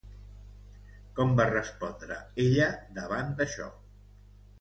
Com va respondre ella, davant d'això?